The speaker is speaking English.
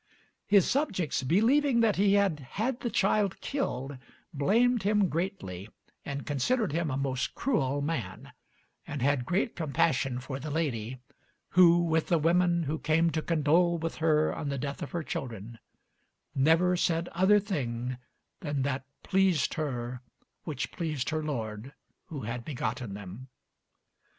His subjects, believing that he had had the child killed, blamed him greatly and considered him a most cruel man, and had great compassion for the lady, who, with the women who came to condole with her on the death of her children, never said other thing than that that pleased her which pleased her lord who had begotten them.